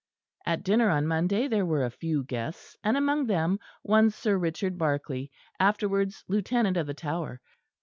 At dinner on Monday there were a few guests; and among them, one Sir Richard Barkley, afterwards Lieutenant of the Tower.